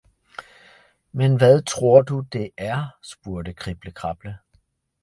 Ja men hvad tror du det er? spurgte Krible-Krable.